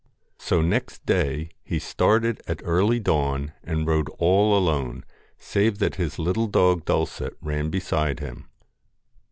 So next day he started at early dawn, and rode all alone, save that his little dog Dulcet ran beside him.